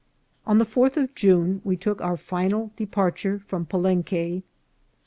On the fourth of June we took our final departure from Palenque.